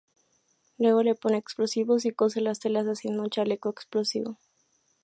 Luego le pone explosivos y cose las telas, haciendo un chaleco explosivo.